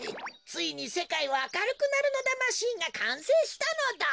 ついにせかいはあかるくなるのだマシンがかんせいしたのだ。